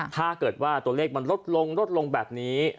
ถ้าเกิดว่าตัวเลขมันลดลงลดลงแบบนี้